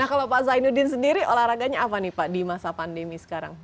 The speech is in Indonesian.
nah kalau pak zainuddin sendiri olahraganya apa nih pak di masa pandemi sekarang